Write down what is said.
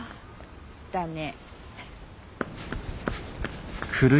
だね。